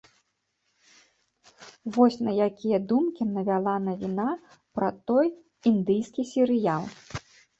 Вось на такія думкі навяла навіна пра той індыйскі серыял.